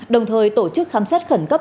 đồng thời tổ chức khám xét khẩn cấp